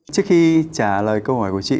trước khi trả lời câu hỏi của chị